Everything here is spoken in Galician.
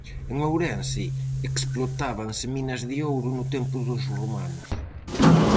En Ourense explotábanse minas de ouro no tempo dos romanos.